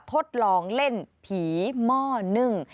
ทดลองเล่นผีหม้อนึ่ง